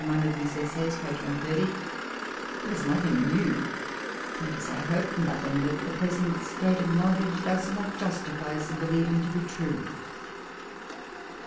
of these Essays, p. 130), there was nothing new; and, as I hope, nothing that the present state of knowledge does not justify us in believing to be true.